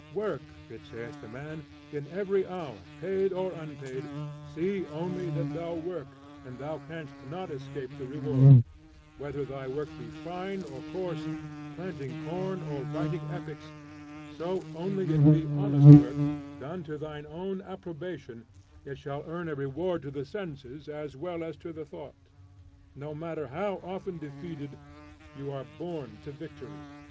'Work,' it saith to man, 'in every hour, paid or unpaid, see only that thou work, and thou canst not escape the reward: whether thy work be fine or coarse, planting corn or writing epics, so only it be honest work, done to thine own approbation, it shall earn a reward to the senses as well as to the thought: no matter how often defeated, you are born to victory.